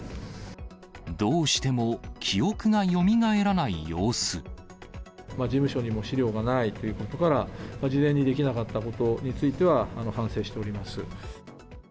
どうしても記憶がよみがえら事務所にも資料がないということから、事前にできなかったことについては、反省しております。